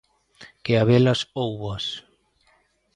Que habelas, hóuboas!